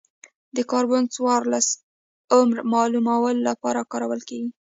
د کاربن څورلس عمر معلومولو لپاره کارول کېږي.